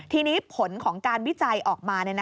ทีนี้ผลของการวิจัยออกมา